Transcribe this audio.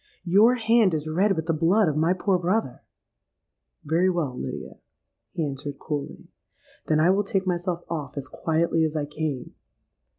'Your hand is red with the blood of my poor brother.'—'Very well, Lydia,' he answered coolly; 'then I will take myself off as quietly as I came.